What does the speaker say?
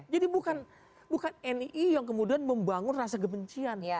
jadi bukan nii yang kemudian membangun rasa kebencian